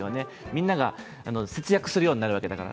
みんなが節約するようになるわけだから。